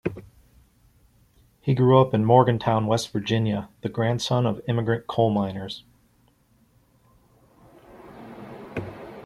He grew up in Morgantown, West Virginia, the grandson of immigrant coal miners.